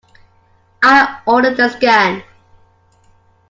I ordered a scan.